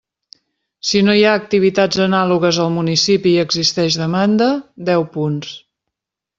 Si no hi ha activitats anàlogues al municipi i existeix demanda: deu punts.